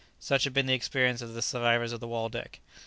Such had been the experience of the survivors of the "Waldeck."